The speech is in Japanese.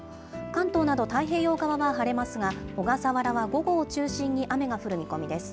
関東など太平洋側は晴れますが、小笠原は午後を中心に雨が降る見込みです。